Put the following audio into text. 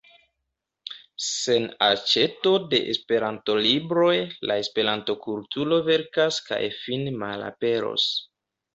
Sen aĉeto de Esperanto-libroj la Esperanto-kulturo velkas kaj fine malaperos.